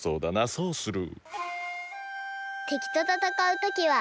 そうする。